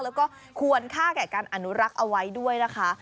แล้วก็ควรค่าแก่การอนุรักษ์เอาไว้ด้วยนะคะ